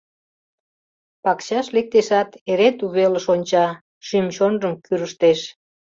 Пакчаш лектешат, эре тувелыш онча, шӱм-чонжым кӱрыштеш.